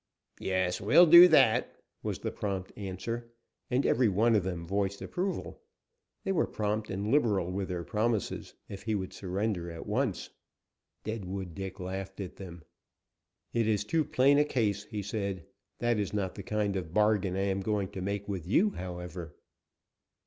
"Yes, we'll do that," was the prompt answer. And every one of them voiced approval. They were prompt and liberal with their promises, if he would surrender at once. Deadwood Dick laughed at them. "It is too plain a case," he said. "That is not the kind of a bargain I am going to make with you, however."